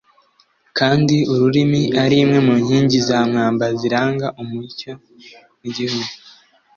kandi ururimi ari imwe mu nkingi za mwamba ziranga umuco w'igihugu